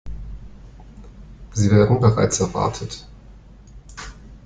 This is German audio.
Sie werden bereits erwartet.